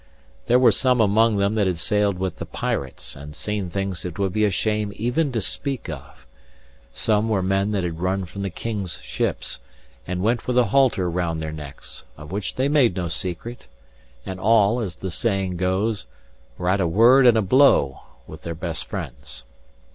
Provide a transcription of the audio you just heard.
There were some among them that had sailed with the pirates and seen things it would be a shame even to speak of; some were men that had run from the king's ships, and went with a halter round their necks, of which they made no secret; and all, as the saying goes, were "at a word and a blow" with their best friends.